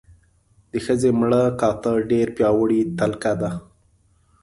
د ښځې مړه کاته ډېره پیاوړې تلکه ده.